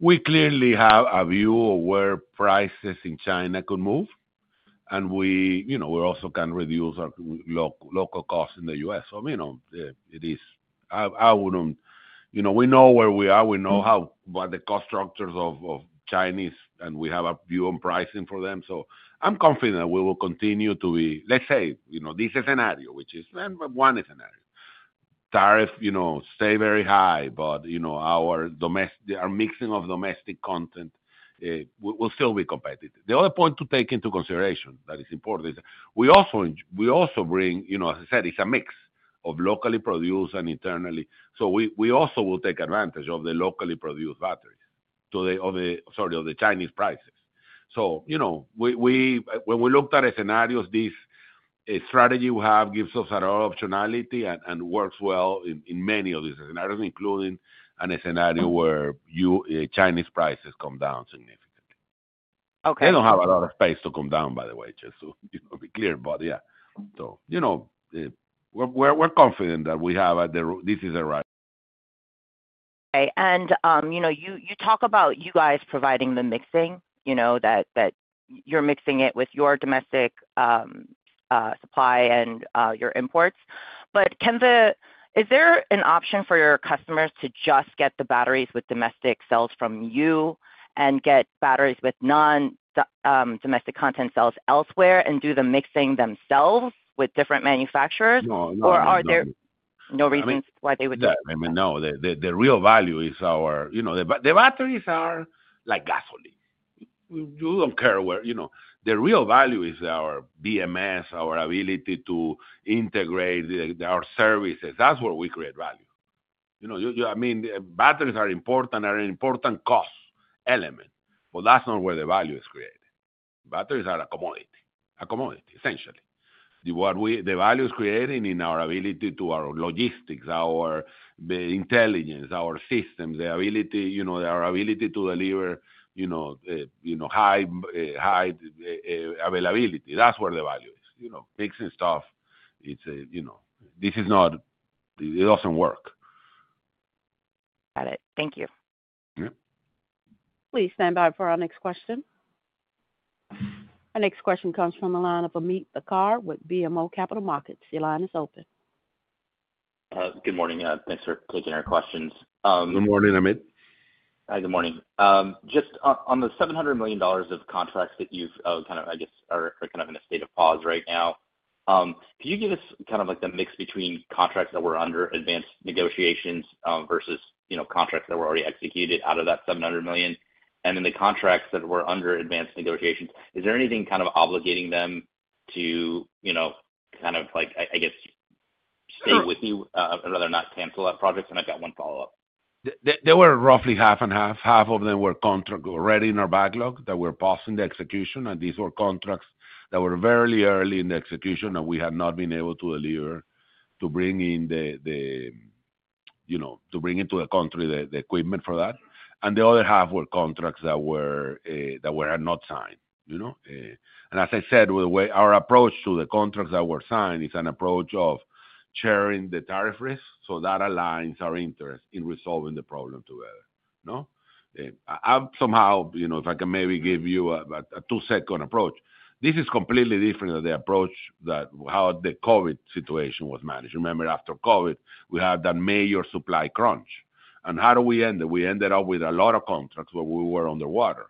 we clearly have a view of where prices in China could move, and we also can reduce our local costs in the U.S. I mean, it is, I wouldn't, we know where we are. We know what the cost structures of Chinese, and we have a view on pricing for them. I'm confident that we will continue to be, let's say, this is a scenario, which is one scenario. Tariffs stay very high, but our mixing of domestic content will still be competitive. The other point to take into consideration that is important is we also bring, as I said, it's a mix of locally produced and internally. We also will take advantage of the locally produced batteries to the, sorry, of the Chinese prices. When we looked at scenarios, this strategy we have gives us a lot of optionality and works well in many of these scenarios, including a scenario where Chinese prices come down significantly. They do not have a lot of space to come down, by the way, just to be clear. Yeah. We are confident that we have this is the right. Okay. You talk about you guys providing the mixing, that you're mixing it with your domestic supply and your imports. Is there an option for your customers to just get the batteries with domestic cells from you and get batteries with non-domestic content cells elsewhere and do the mixing themselves with different manufacturers? No. No. No. Are there no reasons why they would do that? No. The real value is our batteries are like gasoline. You do not care where. The real value is our BMS, our ability to integrate, our services. That is where we create value. I mean, batteries are important, are an important cost element, but that is not where the value is created. Batteries are a commodity, essentially. The value is created in our ability to, our logistics, our intelligence, our systems, the ability to deliver high availability. That is where the value is. Mixing stuff, this is not, it does not work. Got it. Thank you. Please stand by for our next question. Our next question comes from the line of Ameet Thakkar with BMO Capital Markets. Your line is open. Good morning. Thanks for taking our questions. Good morning, Amit. Hi. Good morning. Just on the $700 million of contracts that you've kind of, I guess, are kind of in a state of pause right now, can you give us kind of the mix between contracts that were under advanced negotiations versus contracts that were already executed out of that $700 million and then the contracts that were under advanced negotiations? Is there anything kind of obligating them to kind of, I guess, stay with you or rather not cancel that project? I have got one follow-up. There were roughly half and half. Half of them were contracts already in our backlog that we are passing the execution, and these were contracts that were very early in the execution, and we had not been able to deliver to bring into the country the equipment for that. The other half were contracts that were not signed. As I said, our approach to the contracts that were signed is an approach of sharing the tariff risk. That aligns our interest in resolving the problem together. Somehow, if I can maybe give you a two-second approach, this is completely different than the approach that how the COVID situation was managed. Remember, after COVID, we had that major supply crunch. How did we end it? We ended up with a lot of contracts where we were underwater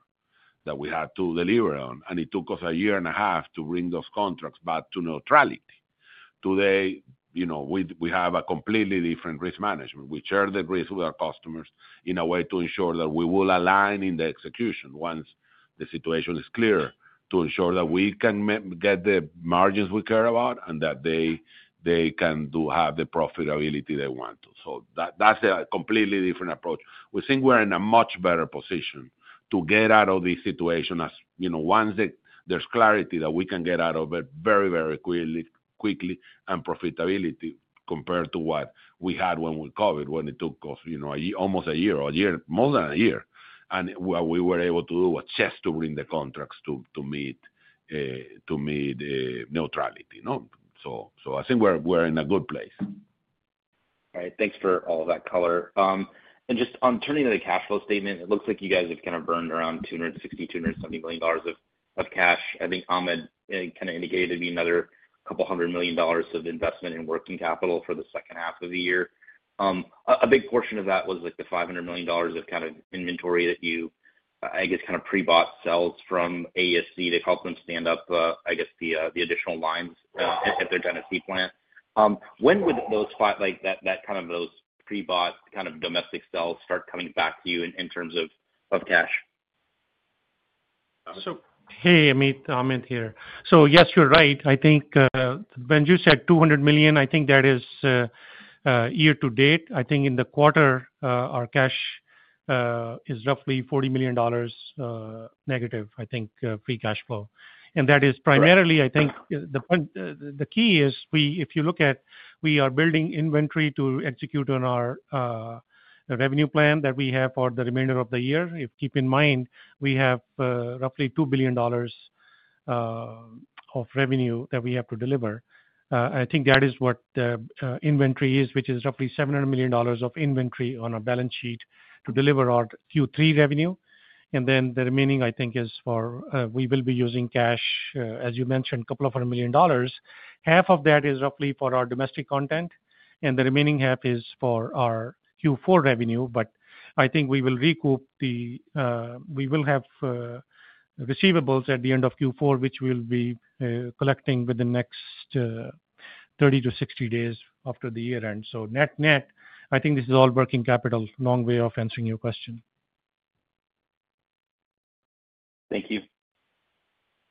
that we had to deliver on. It took us a year and a half to bring those contracts back to neutrality. Today, we have a completely different risk management. We share the risk with our customers in a way to ensure that we will align in the execution once the situation is clear to ensure that we can get the margins we care about and that they can have the profitability they want to. That is a completely different approach. We think we are in a much better position to get out of this situation as once there is clarity that we can get out of it very, very quickly and profitability compared to what we had with COVID, when it took us almost a year or more than a year. What we were able to do was just to bring the contracts to meet neutrality. I think we're in a good place. All right. Thanks for all that color. Just on turning to the cash flow statement, it looks like you guys have kind of burned around $260-$270 million of cash. I think Ahmed kind of indicated it'd be another couple hundred million dollars of investment in working capital for the second half of the year. A big portion of that was the $500 million of kind of inventory that you, I guess, kind of pre-bought cells from AESC to help them stand up, I guess, the additional lines at their Genesee plant. When would that kind of those pre-bought kind of domestic cells start coming back to you in terms of cash? Hey, Amit. Ahmed here. Yes, you're right. I think when you said $200 million, I think that is year to date. I think in the quarter, our cash is roughly $40 million negative, I think, free cash flow. That is primarily, I think the key is if you look at we are building inventory to execute on our revenue plan that we have for the remainder of the year. Keep in mind, we have roughly $2 billion of revenue that we have to deliver. I think that is what inventory is, which is roughly $700 million of inventory on our balance sheet to deliver our Q3 revenue. The remaining, I think, is for we will be using cash, as you mentioned, a couple of hundred million dollars. Half of that is roughly for our domestic content, and the remaining half is for our Q4 revenue. I think we will recoup the we will have receivables at the end of Q4, which we'll be collecting within the next 30 to 60 days after the year-end. Net net, I think this is all working capital, long way of answering your question. Thank you.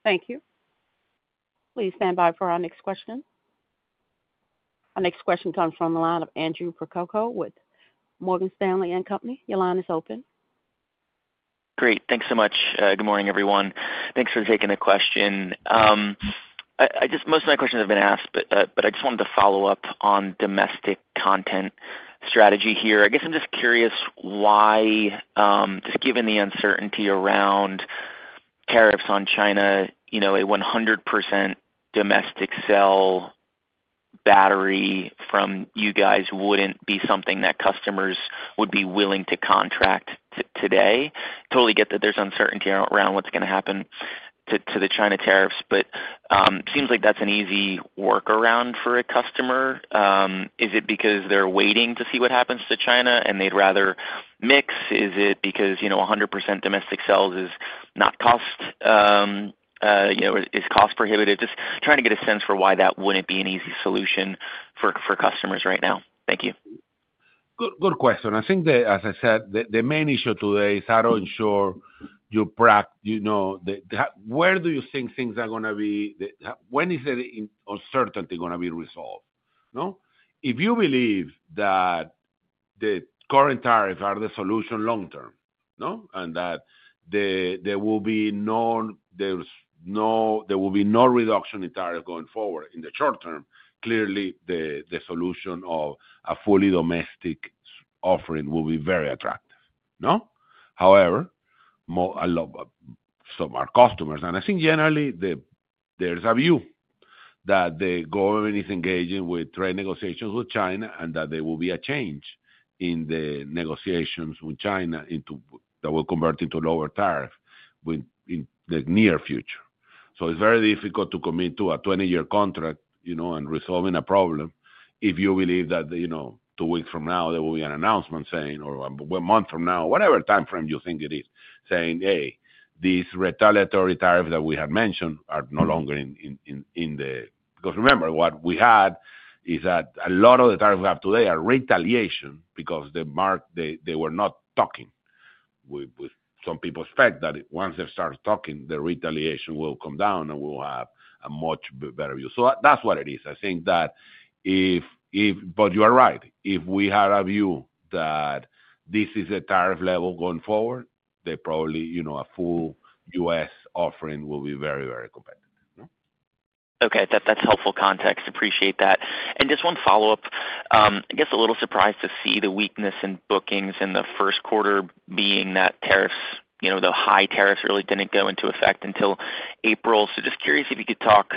Thank you. Please stand by for our next question. Our next question comes from the line of Andrew Percoco with Morgan Stanley & Company. Your line is open. Great. Thanks so much. Good morning, everyone. Thanks for taking the question. Most of my questions have been asked, but I just wanted to follow up on domestic content strategy here. I guess I'm just curious why, just given the uncertainty around tariffs on China, a 100% domestic cell battery from you guys wouldn't be something that customers would be willing to contract today. Totally get that there's uncertainty around what's going to happen to the China tariffs, but it seems like that's an easy workaround for a customer. Is it because they're waiting to see what happens to China and they'd rather mix? Is it because 100% domestic cells is not cost is cost prohibitive? Just trying to get a sense for why that wouldn't be an easy solution for customers right now. Thank you. Good question. I think that, as I said, the main issue today is how to ensure you where do you think things are going to be when is the uncertainty going to be resolved? If you believe that the current tariffs are the solution long-term and that there will be no there will be no reduction in tariffs going forward in the short term, clearly, the solution of a fully domestic offering will be very attractive. However, some of our customers and I think generally, there's a view that the government is engaging with trade negotiations with China and that there will be a change in the negotiations with China that will convert into lower tariffs in the near future. It is very difficult to commit to a 20-year contract and resolving a problem if you believe that two weeks from now, there will be an announcement saying or a month from now, whatever timeframe you think it is, saying, "Hey, these retaliatory tariffs that we had mentioned are no longer in the," because remember, what we had is that a lot of the tariffs we have today are retaliation because they were not talking. Some people expect that once they start talking, the retaliation will come down and we'll have a much better view. That is what it is. I think that if, but you are right. If we had a view that this is a tariff level going forward, then probably a full U.S. offering will be very, very competitive. Okay. That is helpful context. Appreciate that. Just one follow-up. I guess a little surprised to see the weakness in bookings in the first quarter, being that tariffs, the high tariffs, really did not go into effect until April. Just curious if you could talk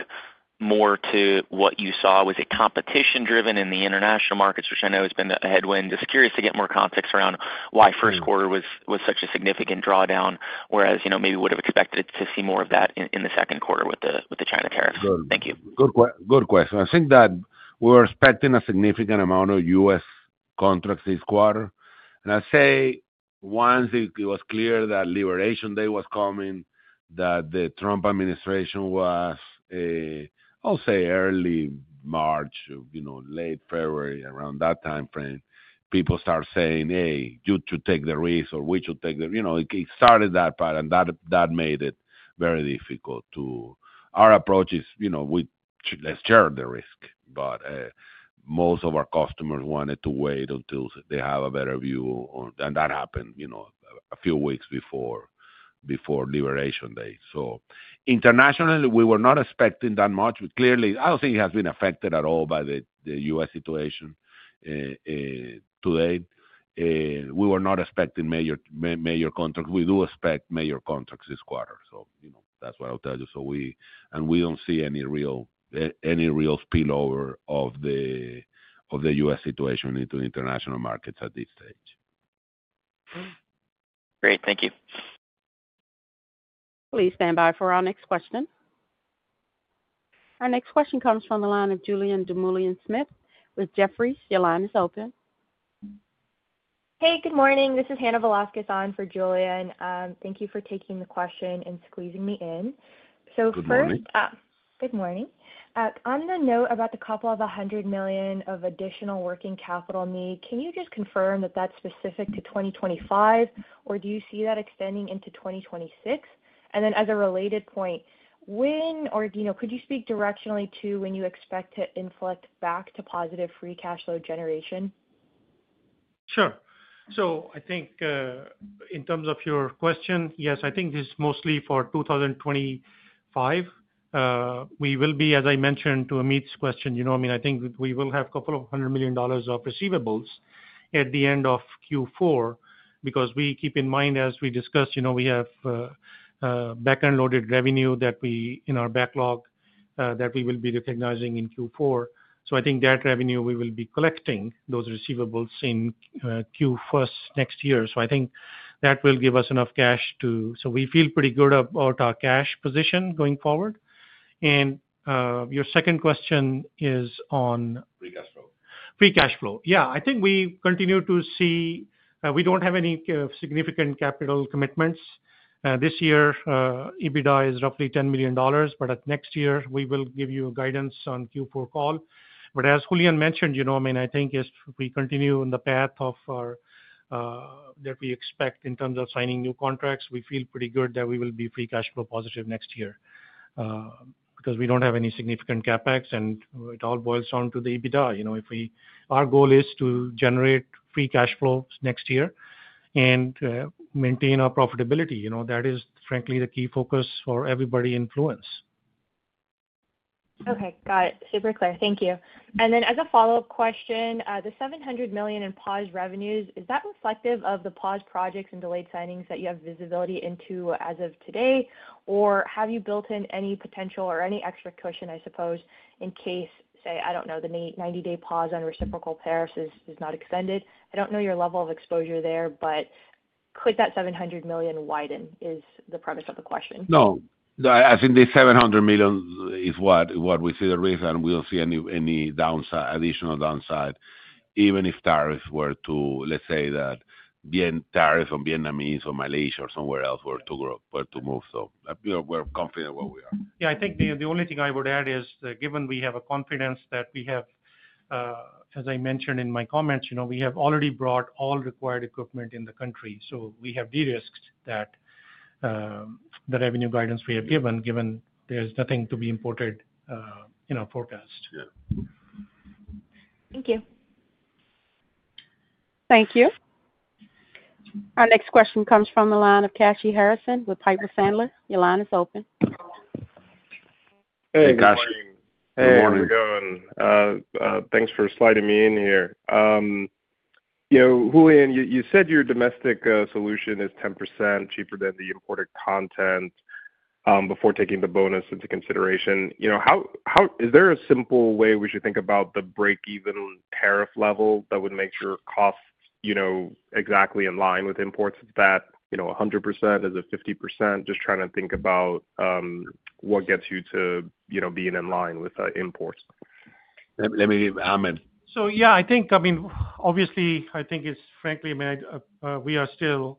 more to what you saw. Was it competition-driven in the international markets, which I know has been a headwind? Just curious to get more context around why first quarter was such a significant drawdown, whereas maybe would have expected to see more of that in the second quarter with the China tariffs. Thank you. Good question. I think that we were expecting a significant amount of U.S. contracts this quarter. I'd say once it was clear that Liberation Day was coming, that the Trump administration was, I'll say, early March, late February, around that timeframe, people start saying, "Hey, you should take the risk," or, "We should take the—" it started that part, and that made it very difficult to our approach is, "Let's share the risk." Most of our customers wanted to wait until they have a better view. That happened a few weeks before Liberation Day. Internationally, we were not expecting that much. Clearly, I don't think it has been affected at all by the US situation today. We were not expecting major contracts. We do expect major contracts this quarter. That's what I'll tell you. We don't see any real spillover of the U.S. situation into international markets at this stage. Great. Thank you. Please stand by for our next question. Our next question comes from the line of Julianne Dumoulin Smith with Jefferies. Your line is open. Hey, good morning. This is Hannah Velasquez on for Julian. Thank you for taking the question and squeezing me in. First, good morning. Good morning. On the note about the couple of hundred million of additional working capital need, can you just confirm that that's specific to 2025, or do you see that extending into 2026? As a related point, when or could you speak directionally to when you expect to inflect back to positive free cash flow generation? Sure. I think in terms of your question, yes, I think this is mostly for 2025. We will be, as I mentioned to Amit's question, I mean, I think we will have a couple of hundred million dollars of receivables at the end of Q4 because we keep in mind, as we discussed, we have backend-loaded revenue in our backlog that we will be recognizing in Q4. I think that revenue, we will be collecting those receivables in Q1 next year. I think that will give us enough cash to, so we feel pretty good about our cash position going forward. Your second question is on free cash flow. Free cash flow, yeah. I think we continue to see we do not have any significant capital commitments. This year, EBITDA is roughly $10 million, but next year, we will give you guidance on Q4 call. As Julian mentioned, I mean, I think if we continue on the path that we expect in terms of signing new contracts, we feel pretty good that we will be free cash flow positive next year because we do not have any significant CapEx, and it all boils down to the EBITDA. Our goal is to generate free cash flow next year and maintain our profitability. That is, frankly, the key focus for everybody in Fluence. Okay. Got it. Super clear. Thank you. As a follow-up question, the $700 million in pause revenues, is that reflective of the pause projects and delayed signings that you have visibility into as of today, or have you built in any potential or any extra cushion, I suppose, in case, say, I do not know, the 90-day pause on reciprocal tariffs is not extended? I don't know your level of exposure there, but could that $700 million widen is the premise of the question. No. I think the $700 million is what we see the risk, and we don't see any additional downside even if tariffs were to, let's say, that tariffs on Vietnamese or Malaysia or somewhere else were to move. So we're confident where we are. Yeah. I think the only thing I would add is, given we have a confidence that we have, as I mentioned in my comments, we have already brought all required equipment in the country. So we have de-risked that revenue guidance we have given, given there's nothing to be imported in our forecast. Thank you. Thank you. Our next question comes from the line of Kashy Harrison with Piper Sandler. Your line is open. Hey, guys. Hey. Good morning. How's it going? Thanks for sliding me in here. Julian, you said your domestic solution is 10% cheaper than the imported content before taking the bonus into consideration. Is there a simple way we should think about the break-even tariff level that would make sure costs exactly in line with imports? Is that 100%? Is it 50%? Just trying to think about what gets you to being in line with imports. Let me give Ahmed. Yeah, I think, I mean, obviously, I think it's frankly, I mean, we are still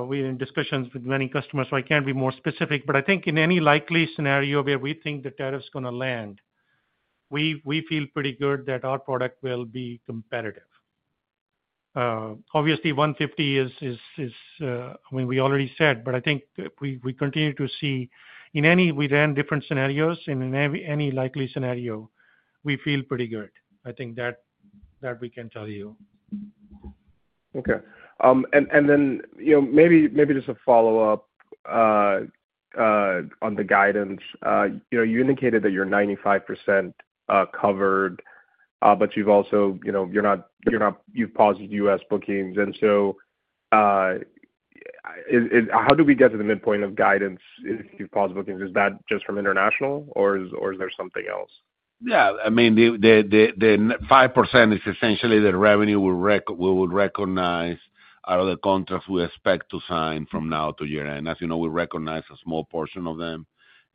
in discussions with many customers, so I can't be more specific. I think in any likely scenario where we think the tariff's going to land, we feel pretty good that our product will be competitive. Obviously, 150 is, I mean, we already said, but I think we continue to see in any we ran different scenarios. In any likely scenario, we feel pretty good. I think that we can tell you. Okay. And then maybe just a follow-up on the guidance. You indicated that you're 95% covered, but you've also, you're not, you've paused U.S. bookings. How do we get to the midpoint of guidance if you've paused bookings? Is that just from international, or is there something else? Yeah. I mean, the 5% is essentially the revenue we would recognize out of the contracts we expect to sign from now to year-end. As you know, we recognize a small portion of them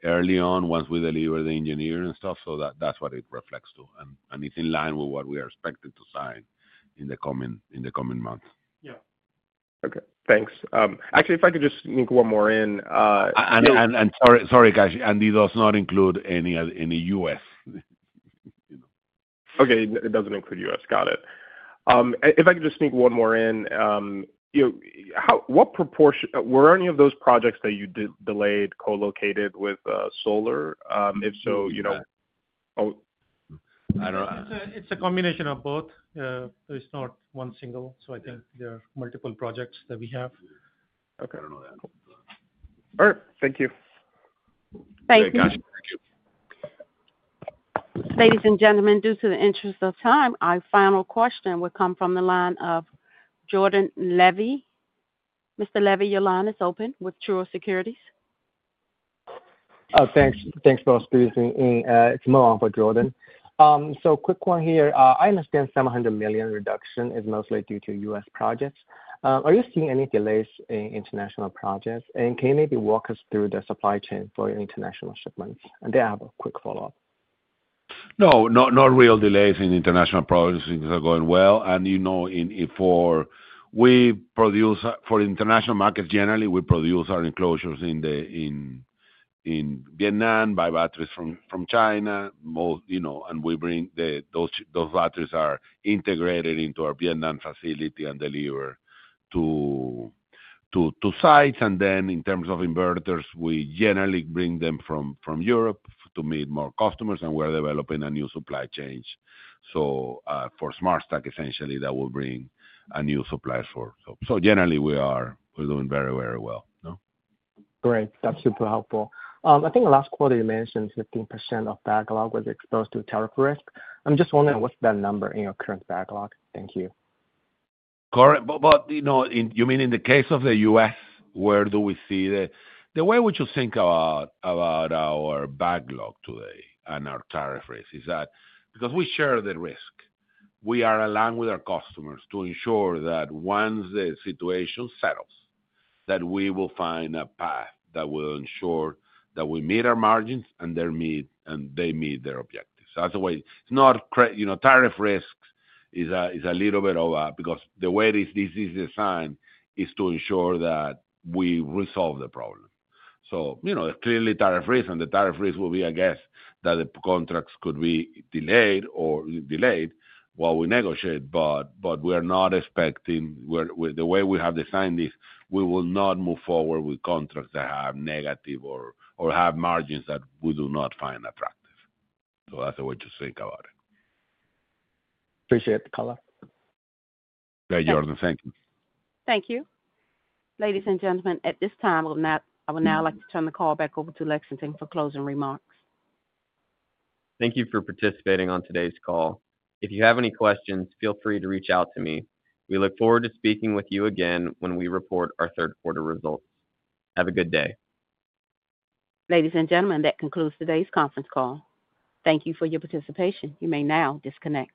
early on once we deliver the engineering and stuff. That is what it reflects to. It is in line with what we are expected to sign in the coming months. Yeah. Okay. Thanks. Actually, if I could just sneak one more in. And sorry, guys. It does not include any U.S. Okay. It does not include U.S. Got it. If I could just sneak one more in, what proportion were any of those projects that you delayed co-located with solar? If so, oh. It is a combination of both. There is not one single. I think there are multiple projects that we have. Okay. I do not know that. All right. Thank you. Thank you. Thank you. Ladies and gentlemen, due to the interest of time, our final question will come from the line of Jordan Levy. Mr. Levy, your line is open with Truist Securities. Thanks for speaking to me. It is Mo for Jordan. Quick one here. I understand $700 million reduction is mostly due to U.S. projects. Are you seeing any delays in international projects? Can you maybe walk us through the supply chain for international shipments? I have a quick follow-up. No, not real delays in international projects. Things are going well. For international markets, generally, we produce our enclosures in Vietnam, buy batteries from China, and we bring those batteries, are integrated into our Vietnam facility, and deliver to sites. In terms of inverters, we generally bring them from Europe to meet more customers, and we are developing a new supply chain. For Smart Stack, essentially, that will bring a new supply source. Generally, we are doing very, very well. Great. That's super helpful. I think the last quarter you mentioned 15% of backlog was exposed to tariff risk. I'm just wondering what's that number in your current backlog? Thank you. Correct. You mean in the case of the U.S., where do we see the way we should think about our backlog today and our tariff risk is that because we share the risk, we are aligned with our customers to ensure that once the situation settles, we will find a path that will ensure that we meet our margins and they meet their objectives. That is the way. Tariff risk is a little bit of a, because the way this is designed is to ensure that we resolve the problem. Clearly, tariff risk, and the tariff risk will be, I guess, that the contracts could be delayed or delayed while we negotiate, but we are not expecting the way we have designed this, we will not move forward with contracts that have negative or have margins that we do not find attractive. That's the way to think about it. Appreciate the call. Thank you, Jordan. Thank you. Thank you. Ladies and gentlemen, at this time, I would now like to turn the call back over to Lex for closing remarks. Thank you for participating on today's call. If you have any questions, feel free to reach out to me. We look forward to speaking with you again when we report our third-quarter results. Have a good day. Ladies and gentlemen, that concludes today's conference call. Thank you for your participation. You may now disconnect.